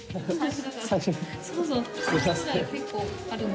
すいません。